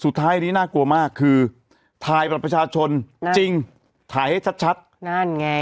สุดท้ายนี้น่ากลัวมากคือถ่ายบัตรประชาชนจริงถ่ายให้ชัดชัดนั่นไง